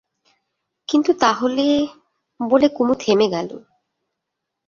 কিন্তু তা হলে– বলে কুমু থেমে গেল।